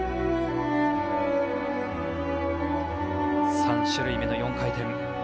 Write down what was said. ３種類目の４回転。